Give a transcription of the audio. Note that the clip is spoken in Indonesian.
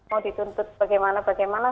mau dituntut bagaimana bagaimana